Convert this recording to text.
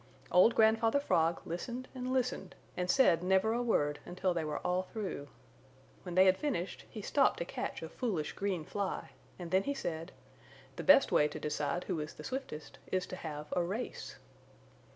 Old Grandfather Frog listened and listened and said never a word until they were all through. When they had finished, he stopped to catch a foolish green fly and then he said: "The best way to decide who is the swiftest is to have a race."